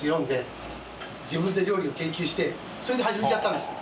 自分で料理を研究してそれで始めちゃったんですよ。